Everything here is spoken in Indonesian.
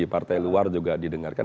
partai luar juga didengarkan